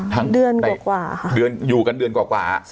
ที่เดือนกว่าอยู่กันเดือนกว่าใช่ค่ะ